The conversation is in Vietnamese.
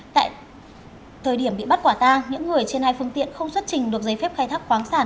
tại thời điểm bị bắt quả tang những người trên hai phương tiện không xuất trình được giấy phép khai thác khoáng sản